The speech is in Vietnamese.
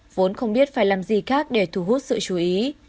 vốn không biết phải làm gì khác để thu hút sự chú ý